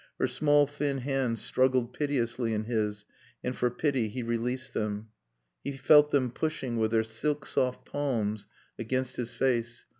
Her small thin hands struggled piteously in his and for pity he released them. He felt them pushing with their silk soft palms against his face.